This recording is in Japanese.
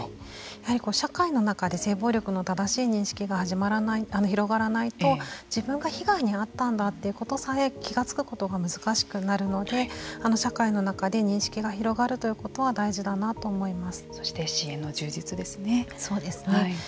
やはり社会の中で性暴力の正しい認識が広がらないと広がらないと自分が被害に遭ったんだということさえ気が付くことが難しくなるので社会の中で認識が広がるということは大事だなと思います。